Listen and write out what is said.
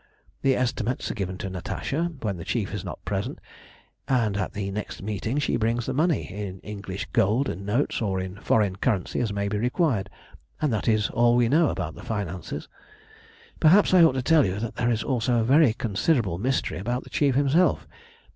"The estimates are given to Natasha when the Chief is not present, and at the next meeting she brings the money in English gold and notes, or in foreign currency as may be required, and that is all we know about the finances. "Perhaps I ought to tell you that there is also a very considerable mystery about the Chief himself.